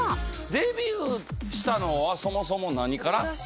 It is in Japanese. デビューしたのはそもそも何から？